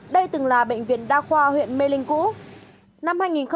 đây từng là bệnh viện đa khoa huyện mê linh cũ